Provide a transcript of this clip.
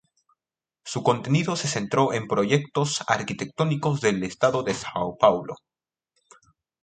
Su contenido se centró en proyectos arquitectónicos del estado de São Paulo.